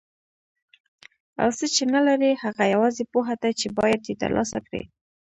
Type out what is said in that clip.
او څه چې نه لري هغه یوازې پوهه ده چې باید یې ترلاسه کړي.